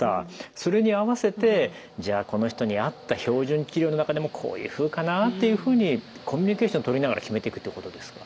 それに合わせてじゃあこの人に合った標準治療の中でもこういうふうかなっていうふうにコミュニケーション取りながら決めていくっていうことですか？